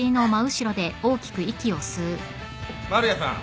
丸屋さん。